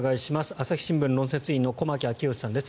朝日新聞論説委員の駒木明義さんです。